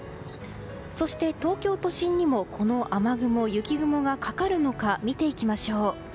そして、東京都心にもこの雨雲や雪雲がかかるのか見ていきましょう。